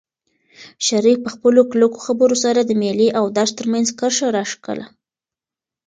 شریف په خپلو کلکو خبرو سره د مېلې او درس ترمنځ کرښه راښکله.